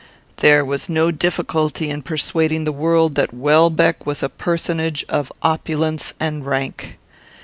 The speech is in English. "There was no difficulty in persuading the world that Welbeck was a personage of opulence and rank.